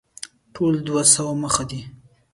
ټول دوه سوه مخه دی.